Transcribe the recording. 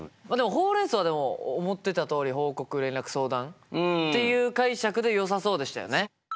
ホウ・レン・ソウはでも思ってたとおり報告・連絡・相談っていう解釈でよさそうでしたよね。